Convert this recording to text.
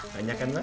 banyak kan mah